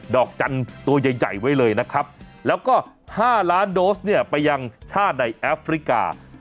อกจันทร์ตัวใหญ่ไว้เลยนะครับแล้วก็๕ล้านโดสเนี่ยไปยังชาติในแอฟริกา